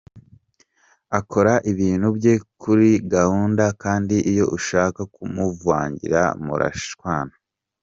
Akora ibintu bye kuri gahunda kandi iyo ushaka kumuvangira murashwana.